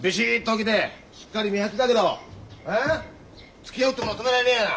つきあうってものを止められねえやな。